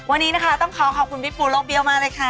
วันนี้นะคะต้องขอขอบคุณพี่ปูโลกเบี้ยวมากเลยค่ะ